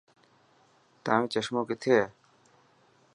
تايون چشمون ڪٿي هي.